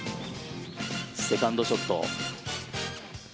セカンドショット。